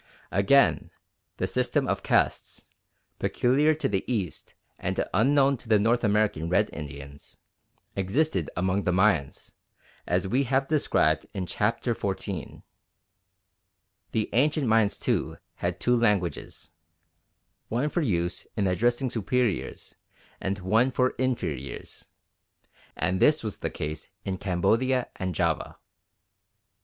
Again, the system of Castes peculiar to the East and unknown to the North American Red Indians existed among the Mayans, as we have described in Chapter XIV. The ancient Mayans, too, had two languages one for use in addressing superiors and one for inferiors, and this was the case in Cambodia and Java.